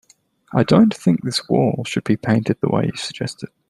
I don't think this wall should be painted the way you suggested.